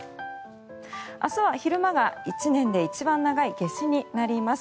明日は昼間が１年で一番長い夏至になります。